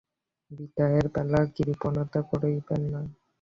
বিদায়ের বেলা কৃপণতা করবেন না।